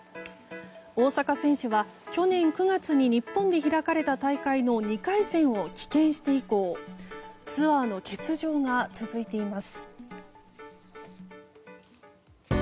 大坂選手は去年９月に日本で開かれた大会の２回戦を棄権して以降ツアーの欠場が続いています。